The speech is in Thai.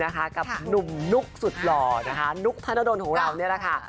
กับหนุ่มนุ๊กสุดหล่อนะคะนุ๊กธนดลของเรานี่แหละค่ะ